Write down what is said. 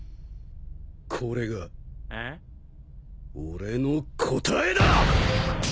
これが俺の答えだ！